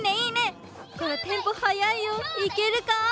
いけるか？